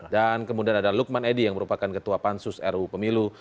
dan kemudian ada lukman edi yang merupakan ketua pansus ru pemilu